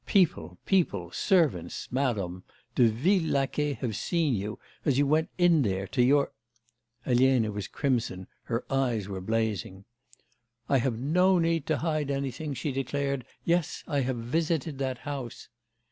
People, people, servants, madam, de vils laquais have seen you, as you went in there, to your ' Elena was crimson, her eyes were blazing. 'I have no need to hide anything,' she declared. 'Yes, I have visited that house.